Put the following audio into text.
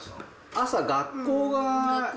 朝、学校が。